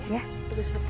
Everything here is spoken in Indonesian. ya tunggu sebentar